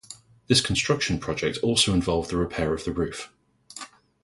This construction project also involved the repair of the roof.